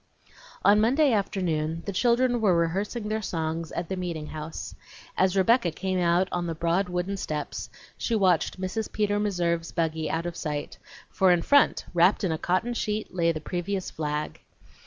On Monday afternoon the children were rehearsing their songs at the meeting house. As Rebecca came out on the broad wooden steps she watched Mrs. Peter Meserve's buggy out of sight, for in front, wrapped in a cotton sheet, lay the previous flag.